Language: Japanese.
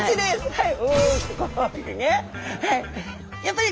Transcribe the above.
はい。